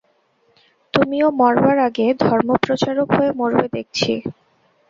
তুমিও মরবার আগে ধর্মপ্রচারক হয়ে মরবে দেখছি।